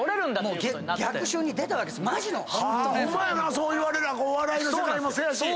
そう言われりゃお笑いの世界もそうやし。